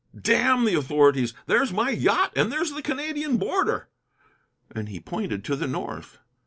"Damn the authorities! There's my yacht, and there's the Canadian border." And he pointed to the north.